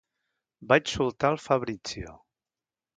Vaig soltar el Fabrizio.